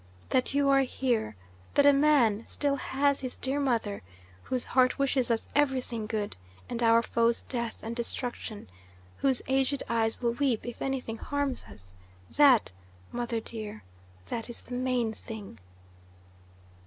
That you are here, that a man still has his dear mother, whose heart wishes us everything good and our foes death and destruction, whose aged eyes will weep if anything harms us, that, mother dear, that is the main thing!"